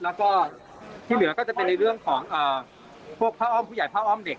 แล้วก็ที่เหลือก็จะเป็นในเรื่องของพวกผ้าอ้อมผู้ใหญ่ผ้าอ้อมเด็ก